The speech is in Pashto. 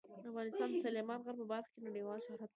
افغانستان د سلیمان غر په برخه کې نړیوال شهرت لري.